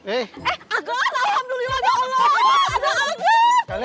eh agel alhamdulillah ya allah